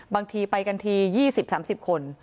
บางทีไปกันที๒๐๓๐คน